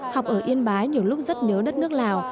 học ở yên bái nhiều lúc rất nhớ đất nước lào